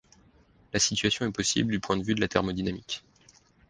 La situation est possible du point de vue de la thermodynamique.